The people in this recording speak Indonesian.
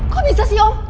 kok bisa sih om